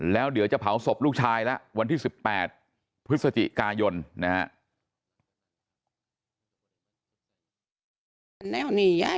แล้วเดี๋ยวจะเผาศพลูกชายแล้ววันที่๑๘พฤศจิกายนนะฮะ